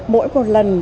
mỗi một lần